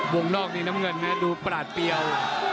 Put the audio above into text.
วงนอกนี่น้ำเงินนะดูปลาดเปรี้ยว